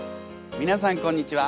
皆さんこんにちは。